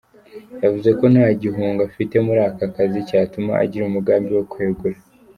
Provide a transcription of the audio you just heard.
Yavuze ko nta gihunga afite muri aka kazi cyatuma agira umugambi wo kwegura.